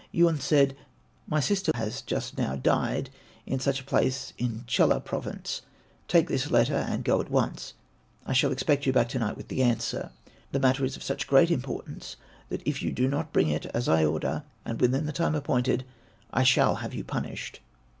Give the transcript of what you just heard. Yun said, "My sister has just now died in such a place in Chulla Province. Take this letter and go at once. I shall expect you back to night with the answer. The matter is of such great importance that if you do not bring it as I order, and within the time appointed, I shall have you punished."